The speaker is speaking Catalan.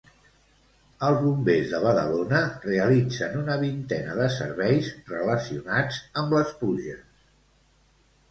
Els Bombers de Badalona realitzen una vintena de serveis relacionats amb les pluges.